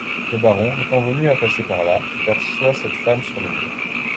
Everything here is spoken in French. Le baron, étant venu à passer par là, aperçoit cette femme sur le mur.